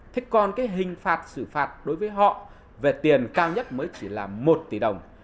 thế còn cái hình phạt xử phạt đối với họ về tiền cao nhất mới chỉ là một tỷ đồng